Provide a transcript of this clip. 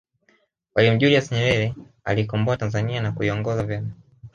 mwalimu julius nyerere aliikomboa tanzania na kuingiza vema